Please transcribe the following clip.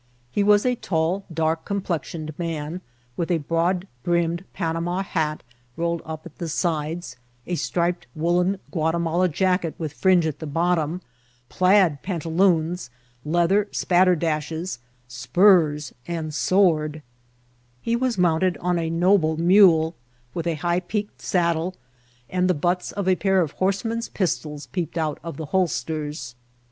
He was a tall, dark complexioned man, with a broad brimmed Panama hat, rolled up at the sides ; a striped woollen Guatimala jacket, with fringe at the bottom ; plaid pantaloons, leather spatterdashes, spurs, and sword; he was mounted on a noble mule with a high peaked saddle, and the butts of a pair of horse man's pistols peeped out of the holsters.